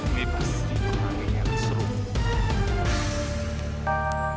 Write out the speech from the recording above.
gue pasti lo akan kena disuruh